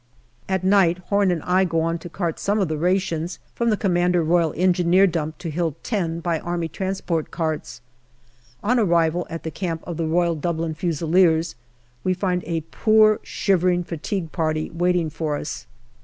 At night Home and I go on to cart some of the rations from the C.R.E. dump to Hill 10 by A.T. carts. On arrival at the camp of the Royal Dublin Fusiliers, we find a poor shivering fatigue party waiting for us.